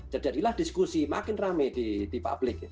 jadilah diskusi makin rame di publik